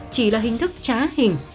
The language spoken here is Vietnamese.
chỉ là hình thức trá hình